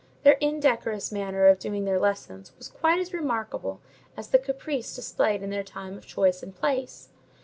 Their indecorous manner of doing their lessons was quite as remarkable as the caprice displayed in their choice of time and place.